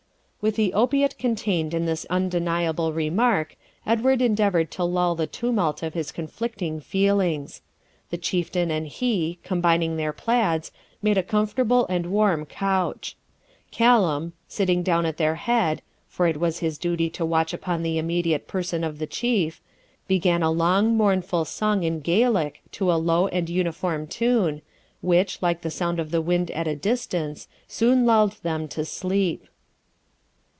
With the opiate contained in this undeniable remark Edward endeavoured to lull the tumult of his conflicting feelings. The Chieftain and he, combining their plaids, made a comfortable and warm couch. Callum, sitting down at their head (for it was his duty to watch upon the immediate person of the Chief), began a long mournful song in Gaelic, to a low and uniform tune, which, like the sound of the wind at a distance, soon lulled them to sleep.